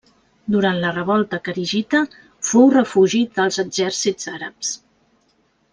Durant la revolta kharigita fou refugi dels exèrcits àrabs.